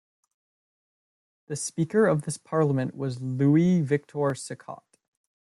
The Speaker of this parliament was Louis-Victor Sicotte.